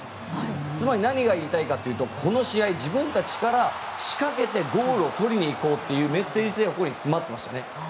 つまり何が言いたいかというとこの試合自分たちから仕掛けてゴールを取りに行こうというメッセージ性がここに詰まっていましたね。